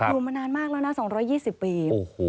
อยู่มานานมากแล้วนะ๒๒๐ปี